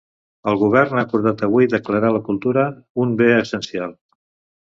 El Govern ha acordat avui declarar la cultura un bé essencial.